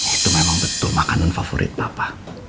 itu memang betul makanan favorit bapak